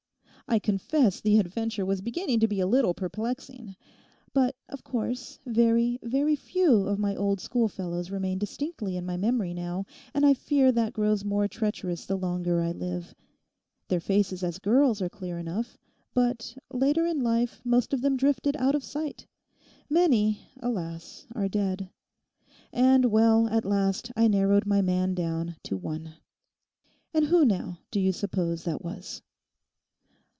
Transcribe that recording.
I confess the adventure was beginning to be a little perplexing. But of course, very, very few of my old schoolfellows remain distinctly in my memory now; and I fear that grows more treacherous the longer I live. Their faces as girls are clear enough. But later in life most of them drifted out of sight—many, alas, are dead; and, well, at last I narrowed my man down to one. And who now, do you suppose that was?